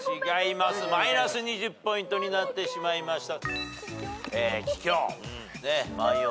マイナス２０ポイントになってしまいました。